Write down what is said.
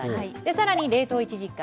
更に冷凍１時間。